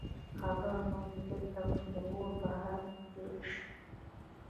خبر نه وو چې دلته به د اور باران پیل شي